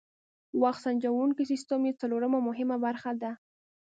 وخت سنجوونکی سیسټم یې څلورمه مهمه برخه ده.